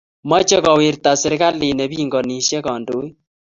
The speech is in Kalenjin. Mache kowirta serkali ne pinganishet kandoik